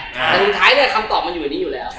แต่สุดท้ายเนี่ยคำตอบมันอยู่ในนี้อยู่แล้ว